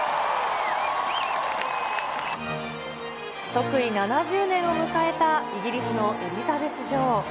即位７０年を迎えたイギリスのエリザベス女王。